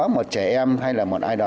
một trẻ em hay là một ai đó